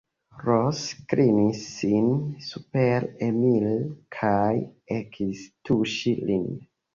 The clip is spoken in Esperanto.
Ros klinis sin super Emil kaj ekis tuŝi lin.